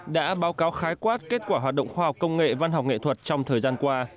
đã báo cáo khái quát kết quả hoạt động khoa học công nghệ văn học nghệ thuật trong thời gian qua